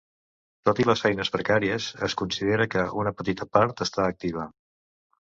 Tot i les feines precàries, es considera que una petita part està activa.